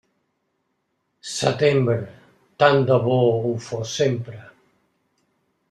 Setembre, tant de bo ho fos sempre.